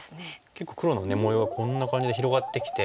結構黒の模様がこんな感じで広がってきて。